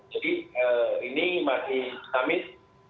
jadi ini masih tamis